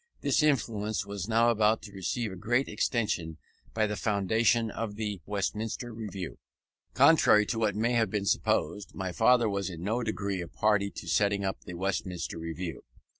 This influence was now about to receive a great extension by the foundation of the Westminster Review. Contrary to what may have been supposed, my father was in no degree a party to setting up the Westminster Review.